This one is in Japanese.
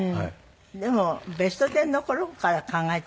でも『ベストテン』の頃から考えたらね。